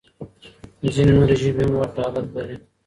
ځينې نورې ژبې هم ورته حالت لري.